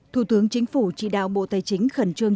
thủ tướng chính phủ chỉ đạo bộ tài chính khẩn trương